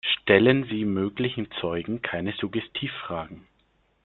Stellen Sie möglichen Zeugen keine Suggestivfragen.